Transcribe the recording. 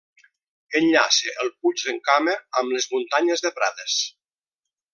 Enllaça el Puig d'en Cama amb les Muntanyes de Prades.